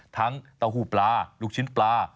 ทั้งเต้าหูปลาลูกชิ้นปลา